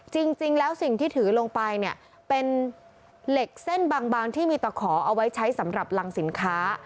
จริงแล้วสิ่งที่ถือลงไปเนี่ยเป็นเหล็กเส้นบางที่มีตะขอเอาไว้ใช้สำหรับรังสินค้า